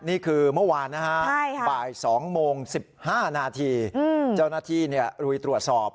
นี่คือเมื่อวานนะฮะบ่าย๒โมง๑๕นาทีเจ้าหน้าที่ลุยตรวจสอบ